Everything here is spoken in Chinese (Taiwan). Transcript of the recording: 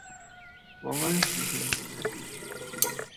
王安石全集